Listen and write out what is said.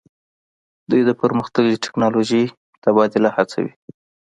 دوی د پرمختللې ټیکنالوژۍ تبادله هڅوي